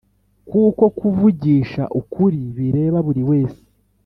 kuko kuvugisha ukuri bireba buri wese.